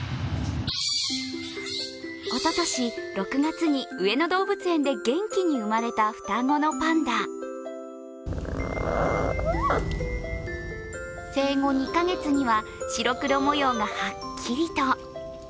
おととし６月に上野動物園で元気に産まれた双子のパンダ、生後２か月には白黒模様がはっきりと。